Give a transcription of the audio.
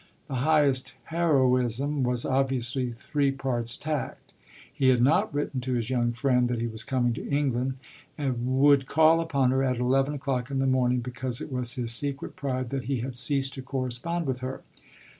The highest heroism was obviously three parts tact. He had not written to his young friend that he was coming to England and would call upon her at eleven o'clock in the morning, because it was his secret pride that he had ceased to correspond with her.